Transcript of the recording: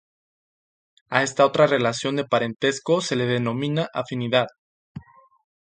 A esta otra relación de parentesco se le denomina afinidad.